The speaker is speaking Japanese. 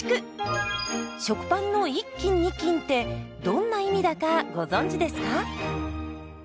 食パンの１斤２斤ってどんな意味だかご存じですか？